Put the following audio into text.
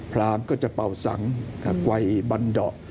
พราหมณ์ก็จะเป่าสังกว่ายบันดอร์